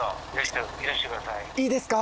いいですか？